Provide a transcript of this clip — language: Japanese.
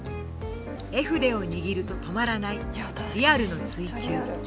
絵筆を握ると止まらないリアルの追求。